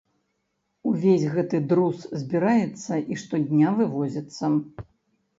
Увесь гэты друз збіраецца і штодня вывозіцца.